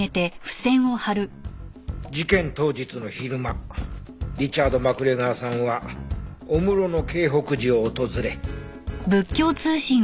事件当日の昼間リチャード・マクレガーさんは御室の京北寺を訪れ。